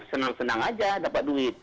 senang senang aja dapat duit